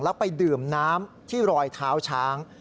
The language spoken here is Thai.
แล้วไปดื่มน้ำที่รอยเท้าช้าง